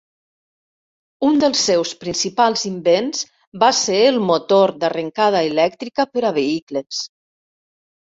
Un dels seus principals invents va ser el motor d'arrencada elèctrica per a vehicles.